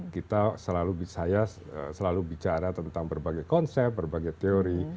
kita selalu saya selalu bicara tentang berbagai konsep berbagai teori